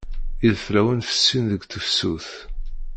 Ideflawen fessin deg tefsut.